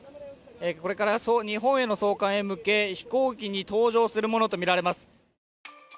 これから日本への送還へ向け飛行機に搭乗するものとみられます。